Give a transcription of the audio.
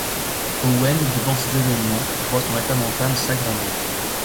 Owen devant ces événements voit son état mental s’aggraver.